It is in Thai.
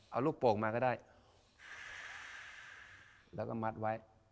เอาลูกโป่งมาก็ได้แล้วก็มัดไว้